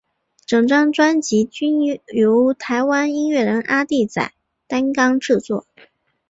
整张专辑均由台湾音乐人阿弟仔担纲制作。